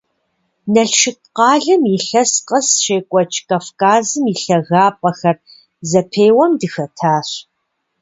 Налшык къалэм илъэс къэс щекӀуэкӀ «Кавказым и лъагапӀэхэр» зэпеуэм дыхэтащ.